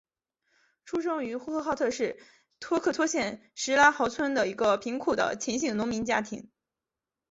出生于呼和浩特市托克托县什拉毫村一个贫苦的秦姓农民家庭。